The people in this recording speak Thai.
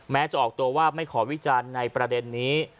แม้จะออกตัวว่าไม่ขอวิจารณ์ในประเด็นนี้